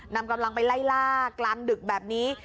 นำกำลังไปไล่ล่ากลางดึกแบบนี้